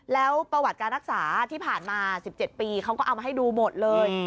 แล้วประวัติการรักษาที่ผ่านมา๑๗ปีเขาก็เอามาให้ดูหมดเลย